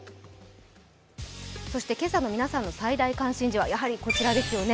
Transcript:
今朝の皆さんの最大関心事はやはりこちらですよね。